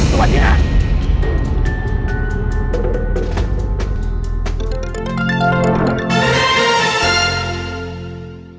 สวัสดีค่ะ